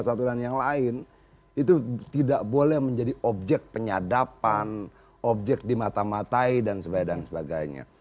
satu dan yang lain itu tidak boleh menjadi objek penyadapan objek dimata matai dan sebagainya